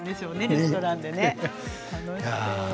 レストランでね。